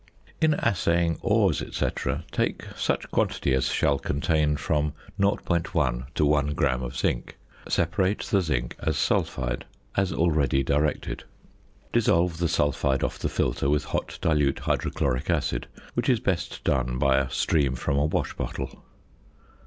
In assaying ores, &c., take such quantity as shall contain from 0.1 to 1 gram of zinc, separate the zinc as sulphide, as already directed. Dissolve the sulphide off the filter with hot dilute hydrochloric acid, which is best done by a stream from a wash bottle.